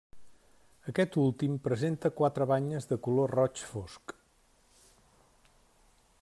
Aquest últim presenta quatre banyes de color roig fosc.